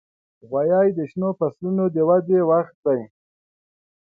غویی د شنو فصلونو د ودې وخت وي.